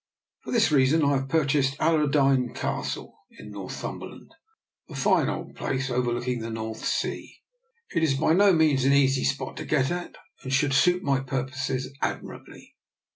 For this reason I have purchased Allerdeyne Castle, in Northumberland, a fine old place overlooking the North Sea. It is by no means an easy spot to get at, and should suit my purposes admirably.